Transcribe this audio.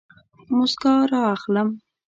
موسکا رااخلم